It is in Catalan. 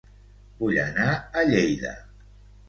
Vull anar a Lleida